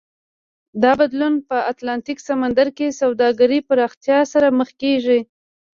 دا بدلون په اتلانتیک سمندر کې سوداګرۍ پراختیا سره مخ کېږي.